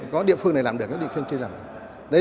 có địa phương này làm được các địa phương chưa làm được